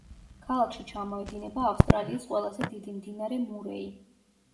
ქალაქში ჩამოედინება ავსტრალიის ყველაზე დიდი მდინარე მურეი.